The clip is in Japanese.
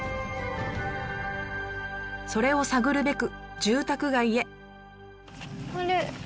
それを探るべく住宅街へ。